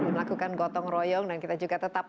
melakukan gotong royong dan kita juga tetap